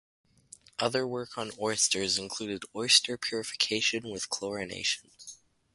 Other work on oysters included oyster purification with chlorination.